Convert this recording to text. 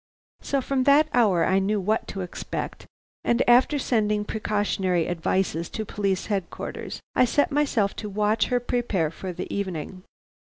"So from that hour I knew what to expect, and after sending precautionary advices to Police Headquarters, I set myself to watch her prepare for the evening.